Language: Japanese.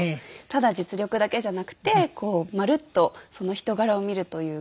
ただ実力だけじゃなくてこうまるっとその人柄を見るというか。